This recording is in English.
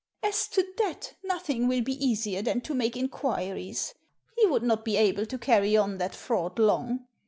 " As to that, nothing will be easier than to make inquiries. He would not be able to carry on that fraud long.